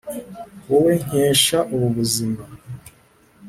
Wowe nkesha ubu buzima